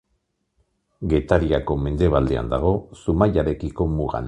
Getariako mendebaldean dago, Zumaiarekiko mugan.